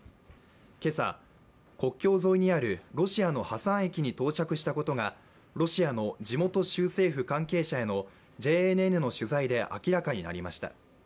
今朝、国境沿いにあるロシアのハサン駅に到着したことがロシアの地元州政府関係者へのＪＮＮの取材で明らかになりました。